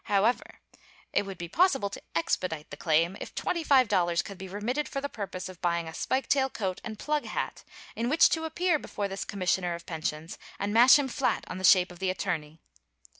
However, it would be possible to "expedite" the claim, if $25 could be remitted for the purpose of buying a spike tail coat and plug hat, in which to appear before the commissioner of pensions and mash him flat on the shape of the attorney.